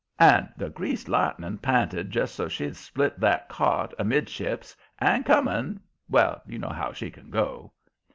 And the Greased Lightning p'inted just so she'd split that cart amidships, and coming well, you know how she can go.